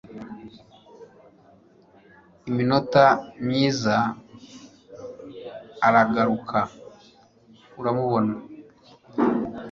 Iminota myiza aragaruka uramubona